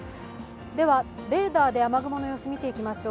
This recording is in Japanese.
レーダーで雨雲の様子を見ていきましょう。